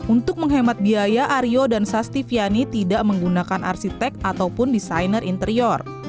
untuk menghemat biaya aryo dan sastiviani tidak menggunakan arsitek ataupun desainer interior